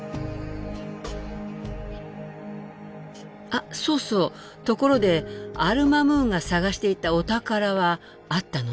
あっそうそうところでアル・マムーンが探していたお宝はあったの？